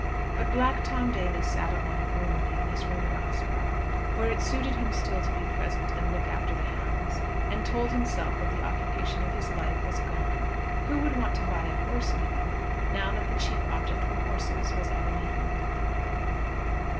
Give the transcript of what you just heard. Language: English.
But Black Tom Daly sat alone gloomily in his room at Ahaseragh, where it suited him still to be present and look after the hounds, and told himself that the occupation of his life was gone. Who would want to buy a horse even, now that the chief object for horses was at an end?